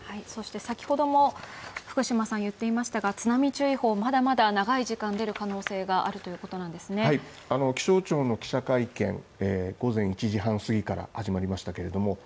そして先ほども福島さん言っていましたが津波注意報まだまだ長い時間出る可能性があるということなんですね気象庁の記者会見、午前１時半すぎから始まりましたけれども。